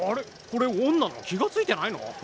これオンなの気が付いてないの？